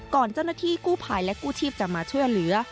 ก่อนเจ้าหน้าที่กู้ภัยและกู้ชีพจะมาช่วยเหลือ